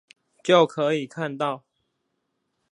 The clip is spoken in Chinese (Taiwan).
就可以看到